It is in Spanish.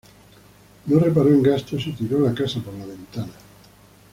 No reparó en gastos y tiró la casa por la ventana